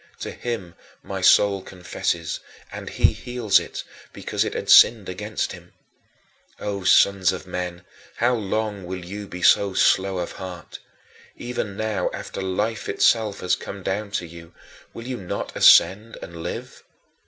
To him my soul confesses, and he heals it, because it had sinned against him. O sons of men, how long will you be so slow of heart? Even now after Life itself has come down to you, will you not ascend and live?